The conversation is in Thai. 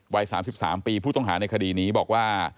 วัย๓๓ปีผู้ต้องหาในคดีนี้บอกว่า